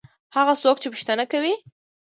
هغه څوک چې پوښتنه کوي.